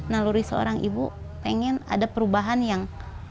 naluri seorang ibu pengen ada perubahan yang